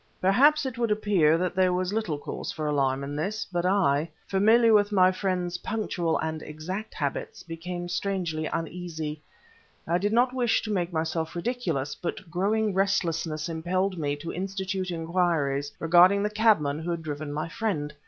Perhaps it would appear that there was little cause for alarm in this, but I, familiar with my friend's punctual and exact habits, became strangely uneasy. I did not wish to make myself ridiculous, but growing restlessness impelled me to institute inquiries regarding the cabman who had driven my friend.